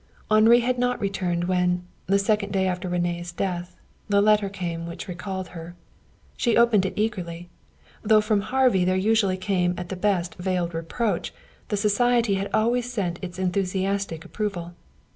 Henri had not returned when, the second day after René's death, the letter came which recalled her. She opened it eagerly. Though from Harvey there usually came at the best veiled reproach, the society had always sent its enthusiastic approval.